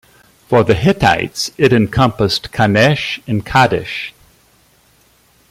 For the Hittites, it encompassed Kanesh and Kadesh.